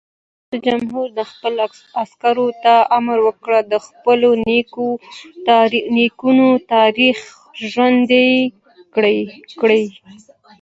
رئیس جمهور خپلو عسکرو ته امر وکړ؛ د خپلو نیکونو تاریخ ژوندی کړئ!